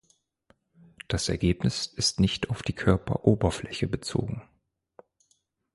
Das Ergebnis ist nicht auf die Körperoberfläche bezogen.